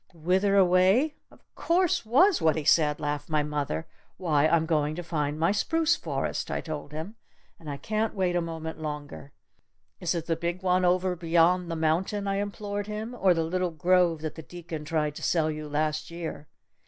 "'Whither away?' of course was what he said!" laughed my mother. "'Why, I'm going to find my spruce forest!' I told him. 'And I can't wait a moment longer! Is it the big one over beyond the mountain?' I implored him. 'Or the little grove that the deacon tried to sell you last year?'"